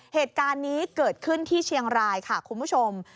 เหตุการณ์นี้เกิดขึ้นที่เชียงรายค่ะคุณผู้ชม